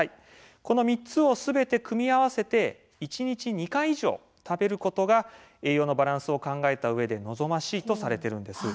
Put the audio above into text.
この３つをすべて組み合わせて一日２回以上、食べることが栄養のバランスを考えたうえで望ましいとされているんです。